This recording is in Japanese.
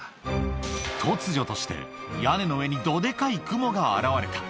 突如として、屋根の上にどでかいクモが現れた。